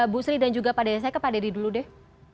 bu sri dan juga pak dede saya ke pak dede dulu deh